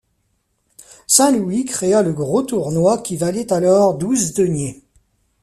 Saint Louis créa le gros tournois qui valait alors douze deniers.